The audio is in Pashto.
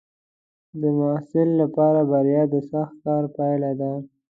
د محصل لپاره بریا د سخت کار پایله ده.